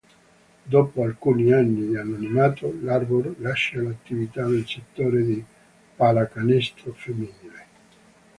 Dopo alcuni anni di anonimato, l'Arbor lascia l'attività nel settore di pallacanestro femminile.